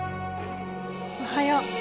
おはよう。